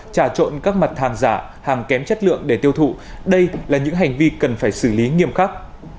trả trộn các mặt hàng giả hàng kém chất lượng để tiêu thụ đây là những hành vi cần phải xử lý nghiêm khắc